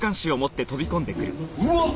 うわっ！